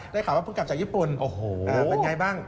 ได้ข่าวว่าพึ่งกลับจากญี่ปุ่นเป็นอย่างไรบ้าง